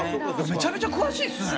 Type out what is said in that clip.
めちゃめちゃ詳しいっすね。